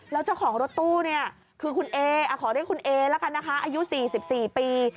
แล้วเจ้าของรถตู้เนี่ยคือคุณเอขอเรียกคุณเอละกันนะคะอายุ๔๔ปี